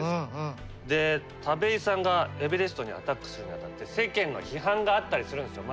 田部井さんがエベレストにアタックするにあたって世間の批判があったりするんですよ。